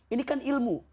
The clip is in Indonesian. ini kan ilmu